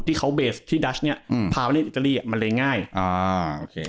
ที่เขาเบสที่ดัชเนี้ยอืมพาไปเล่นอิตาลีอ่ะมันเลยง่ายอ่าโอเค